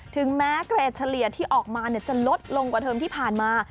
ถึงแม้เกรดเฉลี่ยที่ออกมาจะลดลงกว่าเทอมที่ผ่านมา